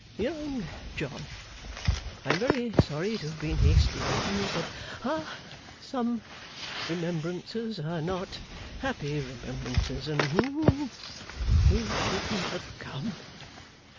'Young John, I am very sorry to have been hasty with you, but ha some remembrances are not happy remembrances, and hum you shouldn't have come.